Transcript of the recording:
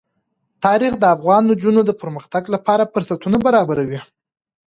تاریخ د افغان نجونو د پرمختګ لپاره فرصتونه برابروي.